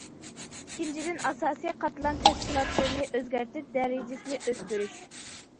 ئىككىنچىدىن، ئاساسىي قاتلام تەشكىلاتلىرىنى ئۆزگەرتىپ دەرىجىسىنى ئۆستۈرۈش.